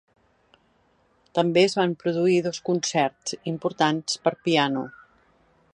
També es van produir dos concerts importants per a piano.